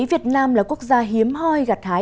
việt nam là quốc gia hiếm hoi gặt hái